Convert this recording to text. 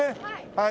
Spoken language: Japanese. はい。